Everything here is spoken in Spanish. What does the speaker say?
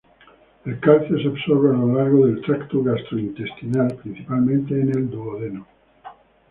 El calcio se absorbe a lo largo del tracto gastrointestinal, principalmente en el duodeno.